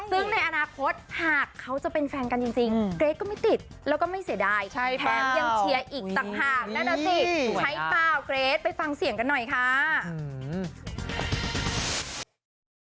ซึ่งในอนาคตหากเขาจะเป็นแฟนกันจริงเกรทก็ไม่ติดแล้วก็ไม่เสียดายแถมยังเชียร์อีกต่างหากนั่นน่ะสิใช่เปล่าเกรทไปฟังเสียงกันหน่อยค่ะ